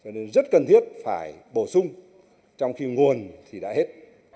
nên rất cần thiết phải bổ sung trong khi nguồn thì đã hết